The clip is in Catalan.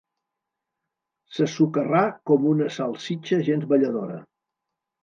Se socarrà com una salsitxa gens balladora.